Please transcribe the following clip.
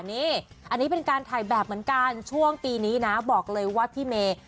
นี่อันนี้เป็นการถ่ายแบบเหมือนกันช่วงปีนี้นะบอกเลยว่าพี่เมย์